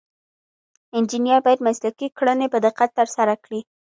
انجینر باید مسلکي کړنې په دقت ترسره کړي.